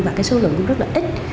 và số lượng cũng rất là ít